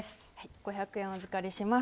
５００円お預かりします。